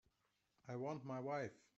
I want my wife.